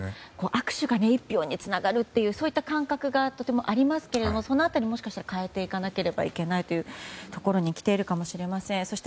握手が１票につながる感覚がとてもありますけれどもその辺りをもしかしたら変えていかなければいけないというところにきているかもしれません。